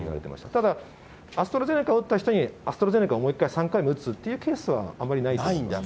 ただ、アストラゼネカを打った人にアストラゼネカをもう一回、３回目打つっていうケースはあまりないと思います。